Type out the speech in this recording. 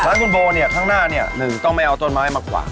ร้านคุณโบเนี่ยข้างหน้าเนี่ยหนึ่งต้องไม่เอาต้นไม้มากวาด